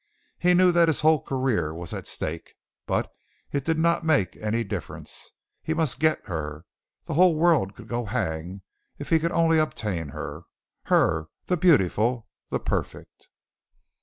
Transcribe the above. He knew that his whole career was at stake, but it did not make any difference. He must get her. The whole world could go hang if he could only obtain her her, the beautiful, the perfect!